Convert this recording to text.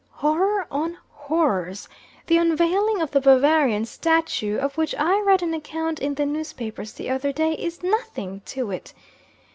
Horror on horrors! The unveiling of the Bavarian statue, of which I read an account in the newspapers the other day, is nothing to it.